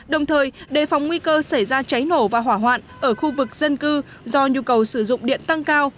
đồng thời đề phòng nguy cơ xảy ra cháy nổ và hỏa hoạn ở khu vực dân cư do nhu cầu sử dụng điện tăng cao